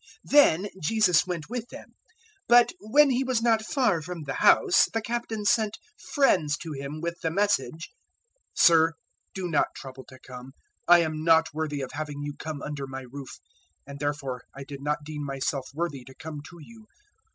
007:006 Then Jesus went with them. But when He was not far from the house, the Captain sent friends to Him with the message: "Sir, do not trouble to come. I am not worthy of having you come under my roof; 007:007 and therefore I did not deem myself worthy to come to you.